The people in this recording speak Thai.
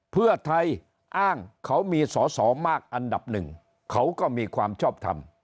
เพื่อไทยอ้างเขามีสอสอมากอันดับหนึ่งเขาก็มีความชอบทำ